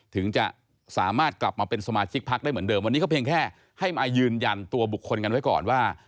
ถึงจะสามารถกลับมาเป็นสมาชิกพักได้เหมือนเดิมวันนี้ก็เพียงแค่ให้มายืนยันตัวบุคคลกันไว้ก่อนว่า